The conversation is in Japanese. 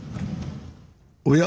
おや？